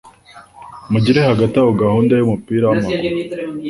mugihe hagati aho gahunda yumupira wamaguru